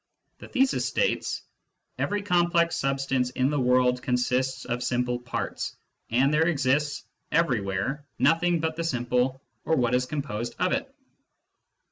The thesis states :" Every complex substance in the world consists of simple parts, and there exists everywhere nothing but the simple or what is composed of it."